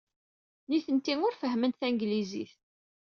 Nitenti ur fehhment tanglizit.